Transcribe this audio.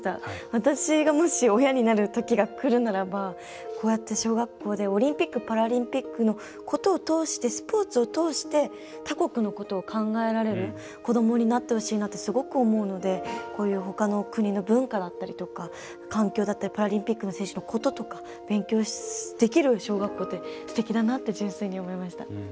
私がもし親になるときがくるならばこうやって小学校でオリンピック・パラリンピックのことを通してスポーツを通して他国のことを考えられる子どもになってほしいなとすごく思うのでほかの国の文化だったりとか環境だったりパラリンピックの選手のこととか勉強できる小学校ってすてきだなって純粋に思いました。